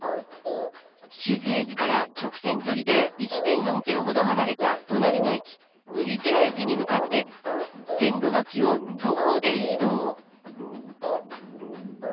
静駅から直線距離で１．４キロほど離れた隣の駅、瓜連駅に向かって、線路脇を徒歩で移動。